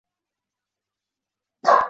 该队采用红黑相间横条队服。